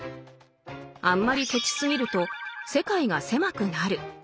あんまりケチすぎると世界が狭くなる。